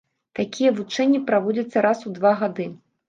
Такія вучэнні праводзяцца раз у два гады.